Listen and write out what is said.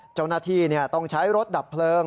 เจ้าหน้าที่ต้องใช้รถดับเพลิง